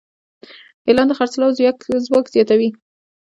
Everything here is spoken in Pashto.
اعلان د خرڅلاو ځواک زیاتوي.